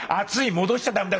「戻しちゃ駄目だよ。